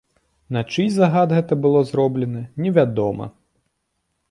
На чый загад гэта было зроблена, невядома.